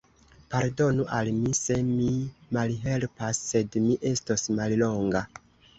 Pardonu al mi, se mi malhelpas; sed mi estos mallonga.